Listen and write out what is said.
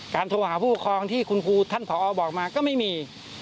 โทรหาผู้ปกครองที่คุณครูท่านผอบอกมาก็ไม่มี